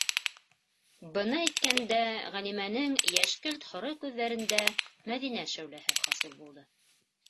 - Быны әйткәндә Ғәлимәнең йәшкелт-һоро күҙҙәрендә Мәҙинә шәүләһе хасил булды.